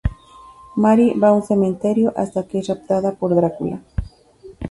Mary va a un cementerio, hasta que es raptada por Drácula.